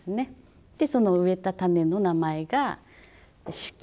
その植えた種の名前が子規。